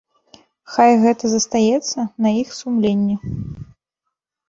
Хай гэта застаецца на іх сумленні.